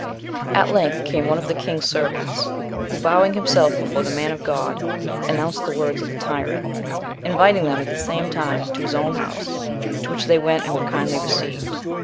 At length, came one of the king's servants, who bowing himself before the man of God, announced the words of the tyrant, inviting them, at the same time, to his own house, to which they went, and were kindly received.